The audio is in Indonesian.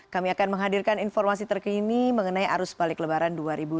kami akan menghadirkan informasi terkini mengenai arus balik lebaran dua ribu dua puluh